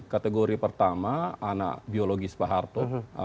kategori pertama anak biologis pak harto